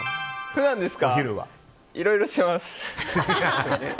普段ですか、いろいろしてます。